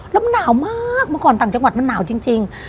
แล้วมันหนาวมากเมื่อก่อนต่างจังหวัดมันหนาวจริง